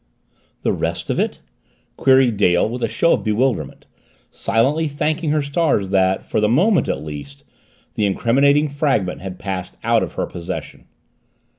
"The rest of it?" queried Dale with a show of bewilderment, silently thanking her stars that, for the moment at least, the incriminating fragment had passed out of her possession.